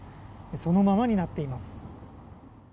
そのままになっています。